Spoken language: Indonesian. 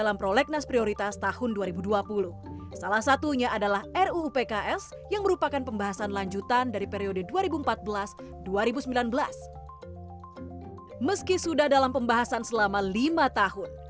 meski sudah dalam pembahasan selama lima tahun